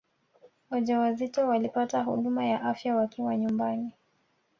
wajawazito watapata huduma ya afya wakiwa nyumbani